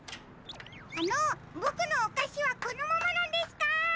あのボクのおかしはこのままなんですか！？